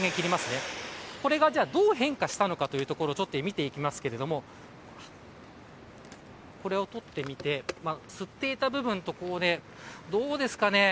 これがどう変化したのかを見ていきますけどこれを取ってみて吸っていた部分とどうですかね。